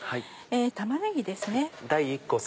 玉ねぎですね。